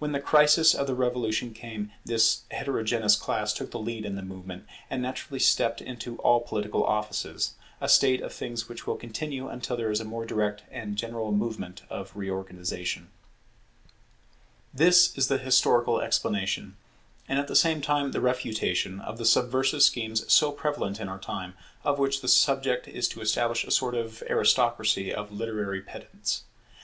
When the crisis of the Revolution came, this heterogeneous class took the lead in the movement, and naturally stepped into all political offices; a state of things which will continue until there is a more direct and general movement of reorganization. [The political influence of literary men a deplorable sign and source of anarchy] This is the historical explanation, and at the same time the refutation, of the subversive schemes so prevalent in our time, of which the object is to establish a sort of aristocracy of literary pedants.